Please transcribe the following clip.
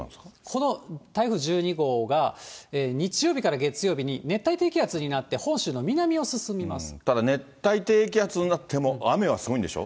この台風１２号が日曜日から月曜日に熱帯低気圧になって、ただ、熱帯低気圧になっても雨はすごいんでしょ。